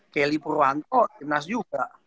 kelly purwanto timnas juga